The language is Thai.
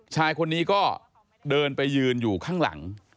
ชายคนนี้ก็เดินไปยืนอยู่ข้างหลัง